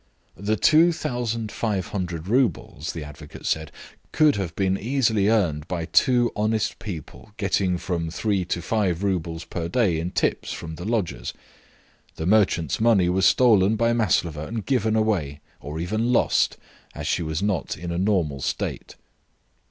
"The 2,500 roubles," the advocate said, "could have been easily earned by two honest people getting from three to five roubles per day in tips from the lodgers. The merchant's money was stolen by Maslova and given away, or even lost, as she was not in a normal state."